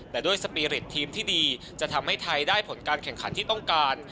แต่ด้วยสปีริตทีมที่ดีจะทำให้ไทยได้ผลการแข่งขันที่ต้องการ